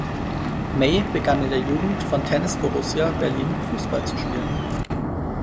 May begann in der Jugend von Tennis Borussia Berlin Fußball zu spielen.